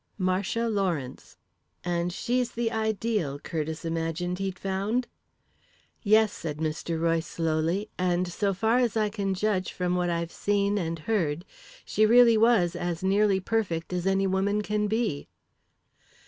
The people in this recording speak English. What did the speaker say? "Marcia Lawrence." "And she's the 'ideal' Curtiss imagined he'd found?" "Yes," said Mr. Royce slowly, "and so far as I can judge from what I've seen and heard, she really was as nearly perfect as any woman can be."